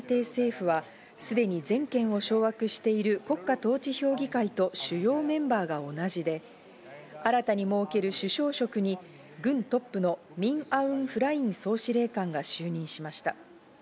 暫定政府はすでに全権を掌握している国家統治評議会と主要メンバーが同じで新たに設ける首相職に軍トップのミン・アウン・フライン総司令官が就任しました。